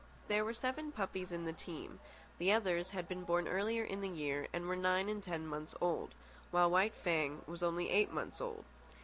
There were seven puppies in the team. The others had been born earlier in the year and were nine and ten months old, while White Fang was only eight months old.